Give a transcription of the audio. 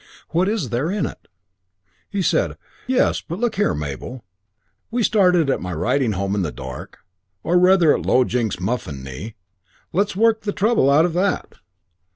What is there in it?" He said, "Yes, but look here, Mabel, we started at my riding home in the dark or rather at old Low Jinks's muffin knee. Let's work out the trouble about that."